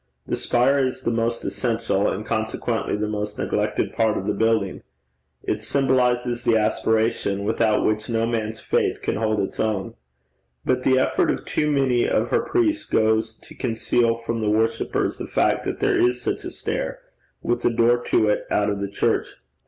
The spire is the most essential, and consequently the most neglected part of the building. It symbolizes the aspiration without which no man's faith can hold its own. But the effort of too many of her priests goes to conceal from the worshippers the fact that there is such a stair, with a door to it out of the church.